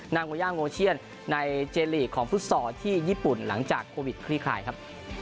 นางโวย่าโมเชียนในเจลีกของฟุตซอลที่ญี่ปุ่นหลังจากโควิดคลี่คลายครับ